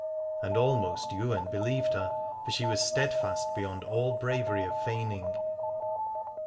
And almost Ywain believed her, for she was sted fast beyond all bravery of feigning.